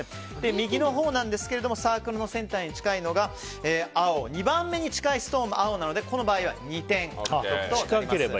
右のほうサークルのセンターに近いのが青で、２番目に近いストーンも青なのでこの場合は２点獲得となります。